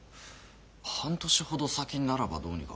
半年ほど先ならばどうにか。